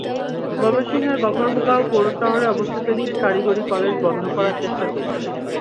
ময়মনসিংহের গফরগাঁও পৌর শহরে অবস্থিত একটি কারিগরি কলেজ বন্ধ করার চেষ্টা চলছে।